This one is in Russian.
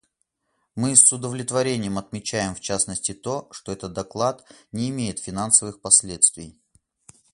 Мы с удовлетворением отмечаем, в частности, то, что этот доклад не имеет финансовых последствий.